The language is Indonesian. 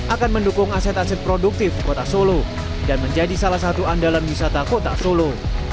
akan mendukung aset aset produktif kota solo dan menjadi salah satu andalan wisata kota solo